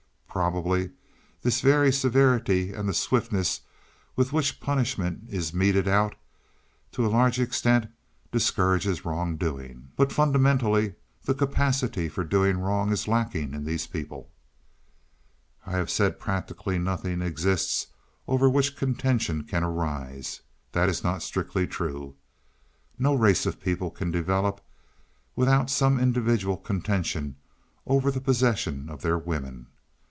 Probably this very severity and the swiftness with which punishment is meted out, to a large extent discourages wrongdoing. But, fundamentally, the capacity for doing wrong is lacking in these people. "I have said practically nothing exists over which contention can arise. That is not strictly true. No race of people can develop without some individual contention over the possession of their women.